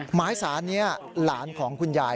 หมายสารนี้หลานของคุณยาย